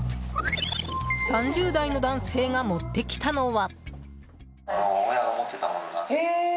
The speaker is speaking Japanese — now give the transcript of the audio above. ３０代の男性が持ってきたのは。